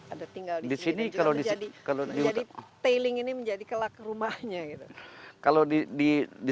ada tinggal di sini kalau di sini kalau diutuh piling ini menjadi kelak rumahnya kalau di di